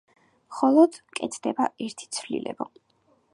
მხოლოდ კეთდება ერთი ცვლილება.